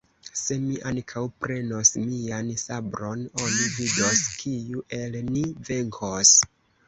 Se mi ankaŭ prenos mian sabron, oni vidos, kiu el ni venkos.